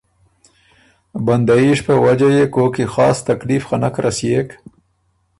بندېئِشت په وجه يې کوک کی خاص تکلیف خه نک رسيېک۔